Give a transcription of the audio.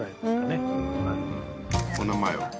お名前は？